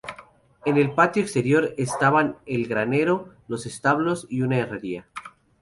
En el patio exterior estaban el granero, los establos y una herrería.